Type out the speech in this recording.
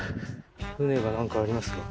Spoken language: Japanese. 船が何かありますが。